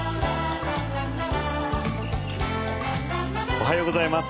おはようございます。